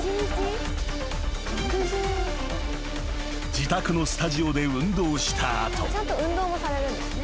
［自宅のスタジオで運動した後］